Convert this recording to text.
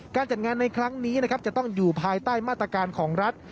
การจัดงานในครั้งนี้นะครับจะต้องอยู่ภายใต้มาตรการของรัฐ